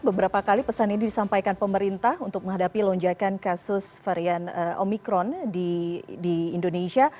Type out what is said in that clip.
beberapa kali pesan ini disampaikan pemerintah untuk menghadapi lonjakan kasus varian omikron di indonesia